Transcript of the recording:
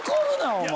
お前。